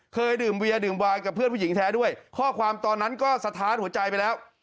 เคยดื่มเวียดื่มวายกับเพื่อนผู้หญิงแท้ด้วยข้อความตอนนั้นก็สะท้านหัวใจไปแล้ว